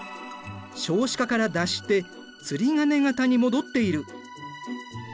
少子化から脱して釣鐘型に戻っている。